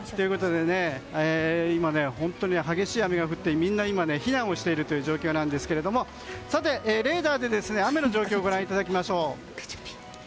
今、本当に激しい雨が降ってみんな、避難をしている状況なんですがレーダーで雨の状況ご覧いただきましょう。